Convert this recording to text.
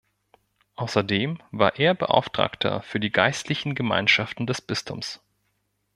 Außerdem war er Beauftragter für die Geistlichen Gemeinschaften des Bistums.